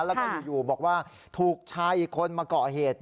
แล้วก็อยู่บอกว่าถูกชายอีกคนมาเกาะเหตุ